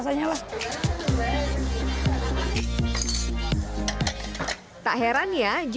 misalnya nakal yang melewati minyak bali